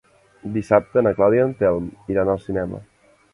Dissabte na Clàudia i en Telm iran al cinema.